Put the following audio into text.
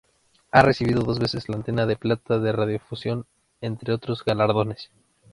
Ha recibido dos veces la Antena de Plata de radiodifusión, entre otros galardones.